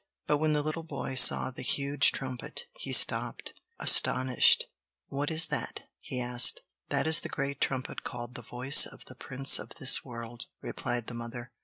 But when the little boy saw the huge trumpet, he stopped—astonished! "What is that?" he asked. "That is the great trumpet called the Voice of the Prince of this World," replied the mother.